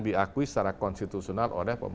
diakui secara konstitusional oleh